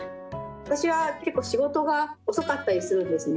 私は結構仕事が遅かったりするんですね。